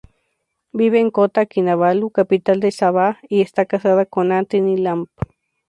Vive en Kota Kinabalu, capital de Sabah, y está casada con Anthony Lamb.